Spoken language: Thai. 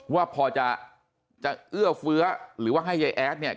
ว่าพอจะจะเอื้อเฟื้อหรือว่าให้ยายแอดเนี่ย